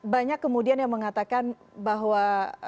banyak kemudian yang mengatakan bahwa